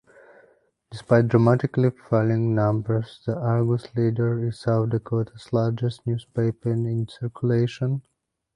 Despite dramatically falling numbers, the "Argus Leader" is South Dakota's largest newspaper in circulation.